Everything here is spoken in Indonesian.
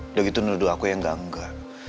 udah gitu menurut aku yang gangga